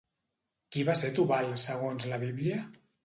Qui va ser Tubal segons la Bíblia?